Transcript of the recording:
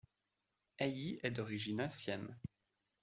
Ailly est d'origine ancienne.